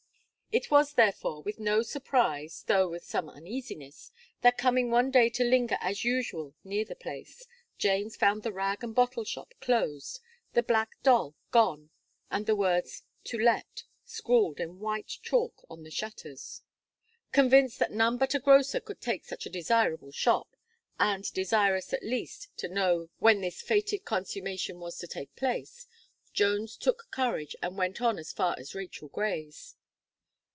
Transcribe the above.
It was, therefore, with no surprise, though with some uneasiness, that coming one day to linger as usual near the place, James found the rag and bottle shop closed, the black doll gone, and the words, "To let" scrawled, in white chalk, on the shutters. Convinced that none but a grocer could take such a desirable shop, and desirous, at least, to know when this fated consummation was to take place, Jones took courage, and went on as far as Rachel Gray's.